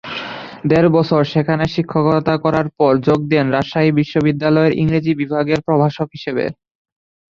দেড় বছর সেখানে শিক্ষকতা করার পর যোগ দেন রাজশাহী বিশ্ববিদ্যালয়ের ইংরেজি বিভাগের প্রভাষক হিসাবে।